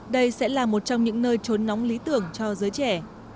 đây sẽ là một trong những nơi trốn nóng lý tưởng cho giới trẻ